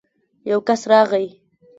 يو کس راغی.